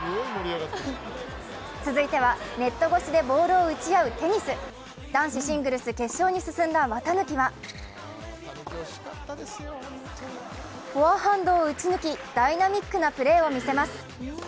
続いてはネット越しでボールを打ち合うテニス男子シングルス決勝に進んだ綿貫はフォアハンドを打ち抜きダイナミックなプレーを見せます。